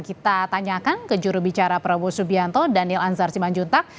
kita tanyakan ke jurubicara prabowo subianto daniel anzar simanjuntak